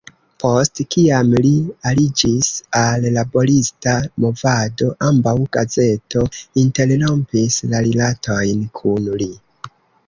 Post kiam li aliĝis al laborista movado, ambaŭ gazeto interrompis la rilatojn kun li.